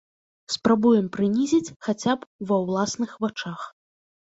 Спрабуем прынізіць хаця б ва ўласных вачах.